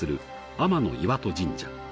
天岩戸神社